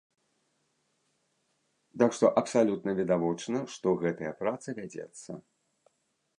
Так што абсалютна відавочна, што гэтая праца вядзецца.